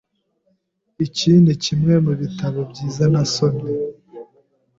Iki nikimwe mubitabo byiza nasomye.